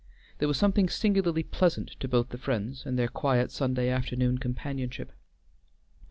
There was something singularly pleasant to both the friends in their quiet Sunday afternoon companionship.